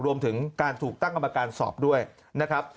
รวมถึงการถูกตั้งกรรมการสอบด้วยนะครับ